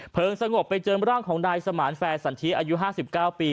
สงบไปเจอร่างของนายสมานแฟร์สันทิอายุ๕๙ปี